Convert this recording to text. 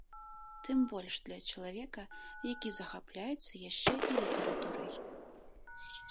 Тым больш для чалавека, які захапляецца яшчэ і літаратурай.